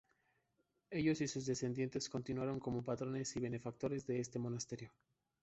Ellos y sus descendientes continuaron como patrones y benefactores de este monasterio.